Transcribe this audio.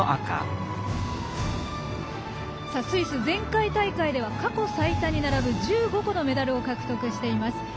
スイス、前回大会では過去最多に並ぶ１５個のメダルを獲得しています。